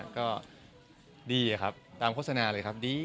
ก็ดีครับตามโฆษณาเลยครับดี